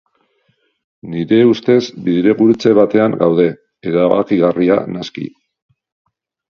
Nire ustez, bidegurutze batean gaude, erabakigarria naski.